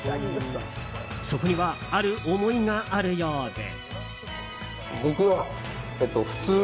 そこにはある思いがあるようで。